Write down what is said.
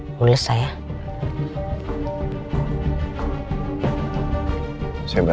jangan telanjang drageng kau